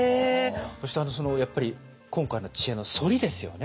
そしてやっぱり今回の知恵の反りですよね。